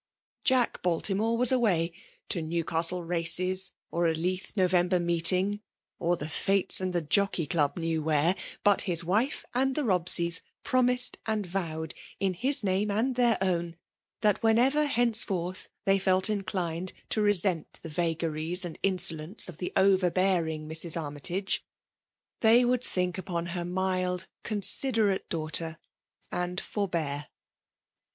Jack Baltimore was away, to Newcastle races, or a Lmth November meeting, or the Fates and the Joi^key Club knew where ; but his wife and the Itobseys promised and vowed, in his name and iheir oi^n, that whenever henceforth they felt inclined to resent the vagaries and insolence of the overbearing Mrs. Armytage, they would tiihik upon her mild, considerate daughter, and forbear* 166 FEMALE DOMINATIOfN.